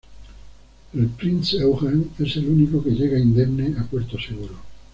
El "Prinz Eugen" es el único que llega indemne a puerto seguro.